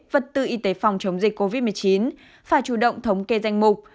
vật tư y tế phòng chống dịch covid một mươi chín phải chủ động thống kê danh mục